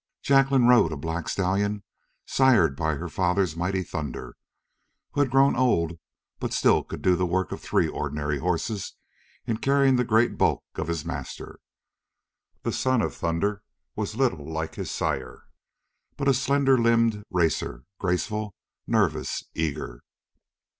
Jacqueline rode a black stallion sired by her father's mighty Thunder, who had grown old but still could do the work of three ordinary horses in carrying the great bulk of his master. The son of Thunder was little like his sire, but a slender limbed racer, graceful, nervous, eager.